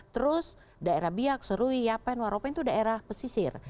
terus daerah biak serui yapen waropen itu daerah pesisir